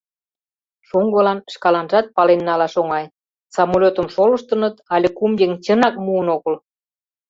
Шоҥгылан шкаланжат пален налаш оҥай: самолётым шолыштыныт але кум еҥ чынак муын огыл.